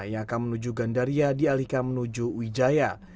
yang akan menuju gandaria dialihkan menuju wijaya